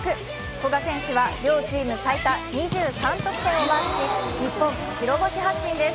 古賀選手は両チーム最多２３得点をマークし日本、白星発進です。